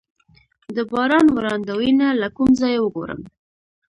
د باران وړاندوینه له کوم ځای وګورم؟